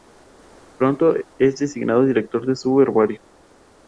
Pronto es designado Director de su herbario.